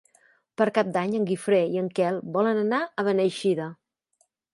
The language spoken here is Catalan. Per Cap d'Any en Guifré i en Quel volen anar a Beneixida.